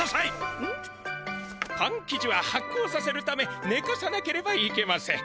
パンきじははっこうさせるためねかさなければいけません。